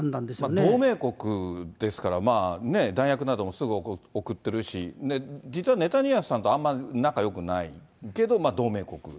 これ、同盟国ですからね、弾薬などもすぐ送ってるし、実はネタニヤフさんとあんまり仲よくないけどまあ同盟国。